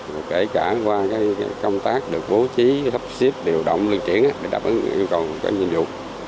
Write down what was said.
và kể cả qua cái công tác được bố trí sắp xếp điều động lưu truyển để đạt được những nhu cầu những nhiệm vụ